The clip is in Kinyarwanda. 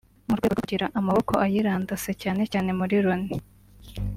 mu rwego rwo kugira amaboko ayirandase cyane cyane muri Loni